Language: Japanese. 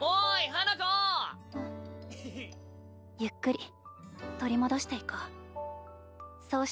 あっゆっくり取り戻していこう。